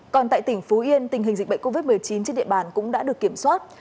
còn tại tỉnh phú yên tình hình dịch bệnh covid một mươi chín trên địa bàn cũng đã được kiểm soát